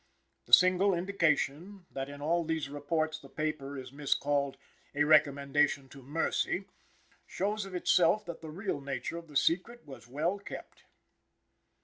The single indication that in all these reports the paper is miscalled "a recommendation to mercy" shows of itself that the real nature of the secret was well kept.